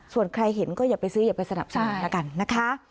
ส่วนใครเห็นก็อย่าไปซื้ออย่าไปสนับสนุนแล้วกันนะคะ